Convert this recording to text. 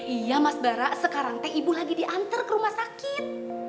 iya mas bara sekarang teh ibu lagi diantar ke rumah sakit